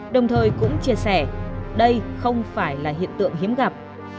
đồng thời cũng chia sẻ đây không phải là hiện tượng hiếm gặp